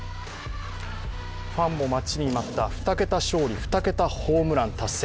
ファンも待ちに待った２桁勝利・２桁ホームラン達成。